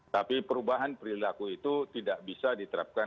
tapi perubahan perilaku itu tidak bisa diterapkan